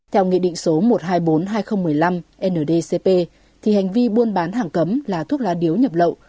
theo nghị định số một trăm hai mươi bốn hai nghìn một mươi năm ndcp thì hành vi buôn bán hàng cấm là thuốc lá điếu nhập lậu